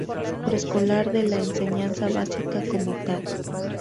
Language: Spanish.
Preescolar de la enseñanza básica como tal.